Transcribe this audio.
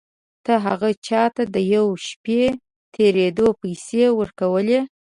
تا هغه چا ته د یوې شپې تېرېدو پيسې ورکولې.